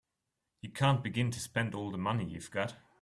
You can't begin to spend all the money you've got.